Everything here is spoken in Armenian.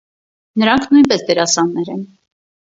Նրանք նույնպես դերասաններ են։